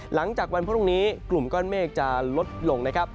หลังจากวันพรุ่งนี้กลุ่มก้อนเมฆจะลดลงนะครับ